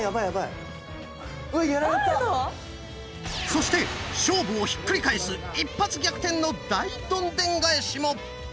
そして勝負をひっくり返す一発逆転の大どんでん返しも！